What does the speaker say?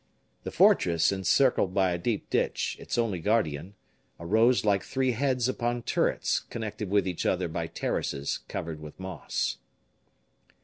The fortress, encircled by a deep ditch, its only guardian, arose like three heads upon turrets connected with each other by terraces covered with moss.